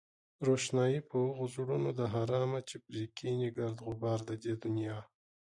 روښنايي په هغو زړونو ده حرامه چې پرې کېني گرد غبار د دې دنيا